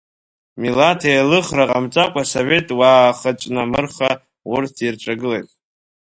Милаҭеилыхра ҟамҵакәа асовет уаа хыцәнамырха урҭ ирҿагылеит.